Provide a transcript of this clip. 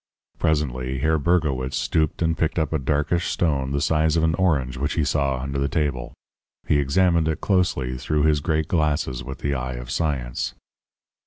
"Presently Herr Bergowitz stooped and picked up a darkish stone the size of an orange which he saw under the table. He examined it closely through his great glasses with the eye of science.